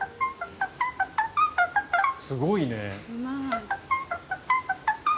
すごいね。